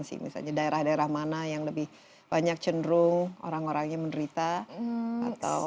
sih misalnya daerah daerah mana yang lebih banyak cenderung orang orangnya menderita atau